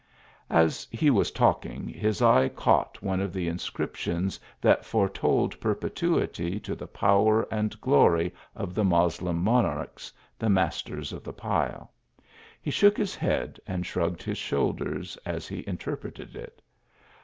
As he was talking, his eye caught one of the inscriptions that foretold perpetuity to the power and glory of the Moslem monarchs, the masters of the pile. He shook his head and shrugged his shoulders as he interpreted it.